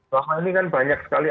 selama ini kan banyak sekali